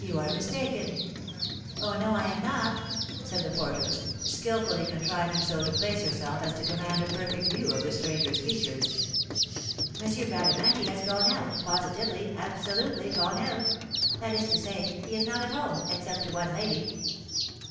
"You are mistaken." "Oh, no, I am not!" said the porteress, skilfully contriving so to place herself as to command a perfect view of the stranger's features. "M. Bradamanti has gone out, positively, absolutely gone out; that is to say, he is not at home, except to one lady."